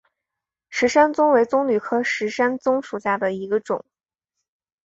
石山棕为棕榈科石山棕属下的一个种。